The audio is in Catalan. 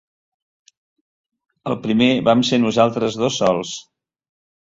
El primer vam ser nosaltres dos sols.